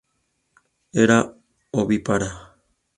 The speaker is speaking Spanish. Era ovíparo.